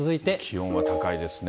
気温が高いですね。